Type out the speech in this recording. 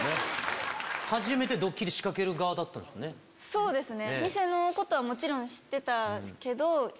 そうですね。